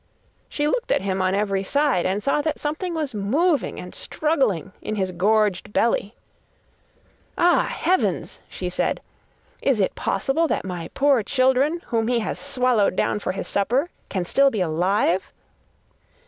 She looked at him on every side and saw that something was moving and struggling in his gorged belly. 'Ah, heavens,' she said, 'is it possible that my poor children whom he has swallowed down for his supper, can be still alive?